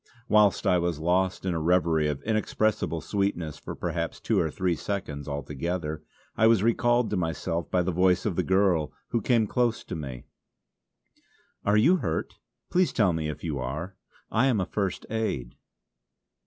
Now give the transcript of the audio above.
Whilst I was lost in a reverie of inexpressible sweetness for perhaps two or three seconds altogether, I was recalled to myself by the voice of the girl who came close to me: "Are you hurt? Please tell me if you are. I am a First Aid."